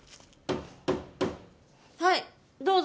・はいどうぞ。